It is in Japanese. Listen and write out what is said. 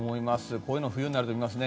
こういうの冬になると見ますね。